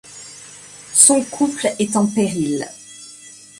Son couple est en péril.